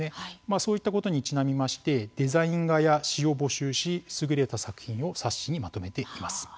そういったことにちなみましてデザイン画や詩を募集し優れた作品を冊子にまとめています。